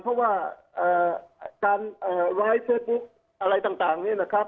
เพราะว่าการไลฟ์เฟซบุ๊คอะไรต่างนี้นะครับ